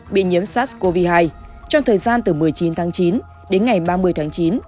bị nhiễm sars cov hai trong thời gian từ một mươi chín tháng chín đến ngày ba mươi tháng chín